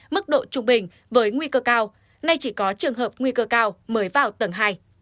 mức độ trung bình với nguy cơ cao nay chỉ có trường hợp nguy cơ cao mới vào tầng hai